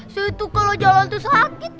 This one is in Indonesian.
situ kalau jalan tuh sakit